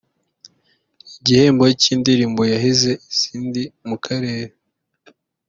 Igihembo cy’indirimbo yahize izindi mu karere